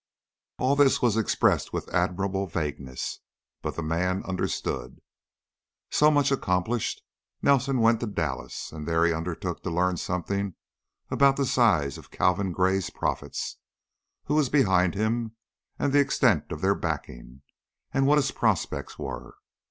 All this was expressed with admirable vagueness, but the man understood. So much accomplished, Nelson went to Dallas and there undertook to learn something about the size of Calvin Gray's profits, who was behind him and the extent of their backing, and what his prospects were.